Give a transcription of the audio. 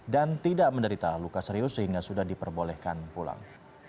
dan tidak menderita luka serius sehingga sudah diperbolehkan pulang